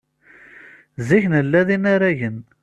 Zik nella d inaragen.